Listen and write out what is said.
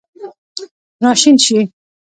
راشین شي